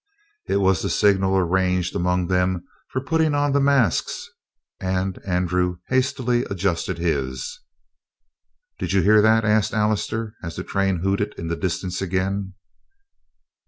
It was the signal arranged among them for putting on the masks, and Andrew hastily adjusted his. "Did you hear that?" asked Allister as the train hooted in the distance again.